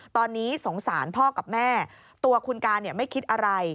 ตอนนี้สงสารพ่อกับแม่ตัวคุณการไม่คิดอะไร